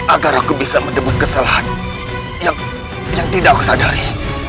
agar aku bisa mendebut kesalahan yang tidak aku sadari